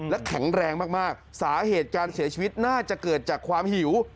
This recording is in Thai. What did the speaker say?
และแข็งแรงมากสาเหตุการเสียชีวิตน่าจะเกิดจากความหิว